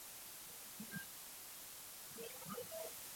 前进乡是中国陕西省安康市汉滨区下辖的一个乡。